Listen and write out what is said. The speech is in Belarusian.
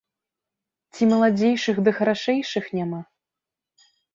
Ці маладзейшых ды харашэйшых няма?